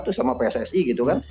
terus sama pssi gitu kan